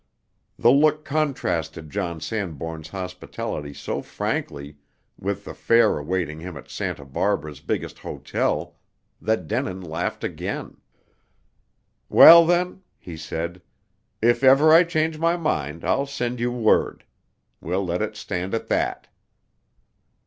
The look contrasted John Sanbourne's hospitality so frankly with the fare awaiting him at Santa Barbara's biggest hotel, that Denin laughed again. "Well, then," he said, "if ever I change my mind I'll send you word. We'll let it stand at that."